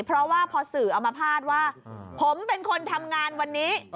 เพราะว่าพอสื่อเอามาภาษณ์ว่าผมเป็นคนทำงานวันนี้